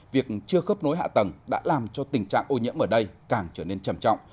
việc chưa khớp nối hạ tầng đã làm cho tình trạng ô nhiễm ở đây càng trở nên trầm trọng